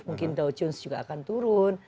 mungkin dow chuns juga akan turun